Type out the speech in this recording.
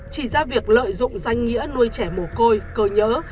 chỉ ra việc lợi dụng danh nghĩa nuôi trẻ mồ côi cơ nhớ